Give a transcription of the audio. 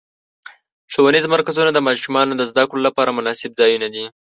ښوونیز مرکزونه د ماشومانو د زدهکړو لپاره مناسب ځایونه دي.